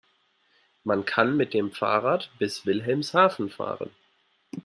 Man kann mit dem Fahrrad bis Wilhelmshaven fahren